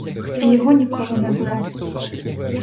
І його ніколи не було.